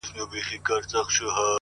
د مقدسې مينې پای دی سړی څه ووايي